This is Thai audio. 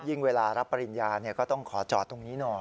เวลารับปริญญาก็ต้องขอจอดตรงนี้หน่อย